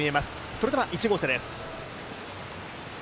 それでは１号車です。